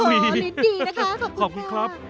โอ้โหลินดีนะคะขอบคุณค่ะขอบคุณครับ